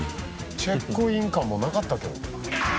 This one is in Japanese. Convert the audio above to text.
チェックイン感もなかったけど。